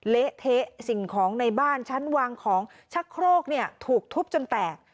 เละเทะสิ่งของในบ้านชั้นวางของชักโครกเนี่ยถูกทุบจนแตก